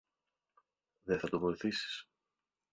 Δε θα τον βοηθήσεις;